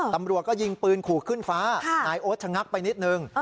ตำรวจก็ยิงปืนขู่ขึ้นฟ้านายโอ๊ตชะงักไปนิดนึง